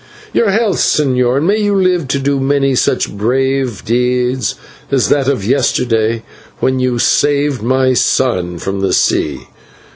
"Your health, señor, and may you live to do many such brave deeds as that of yesterday, when you saved my son from the sea.